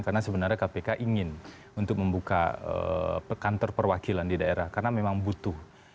karena sebenarnya kpk ingin untuk membuka kantor perwakilan di daerah karena memang butuh